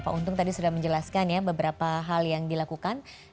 pak untung tadi sudah menjelaskan ya beberapa hal yang dilakukan